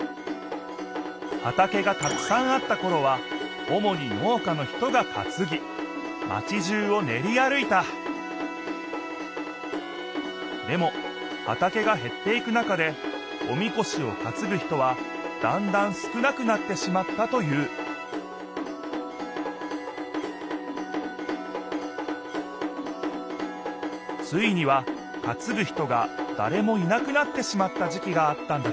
はたけがたくさんあったころはおもに農家の人がかつぎマチじゅうをねり歩いたでもはたけがへっていく中でおみこしをかつぐ人はだんだん少なくなってしまったというついにはかつぐ人がだれもいなくなってしまった時きがあったんだ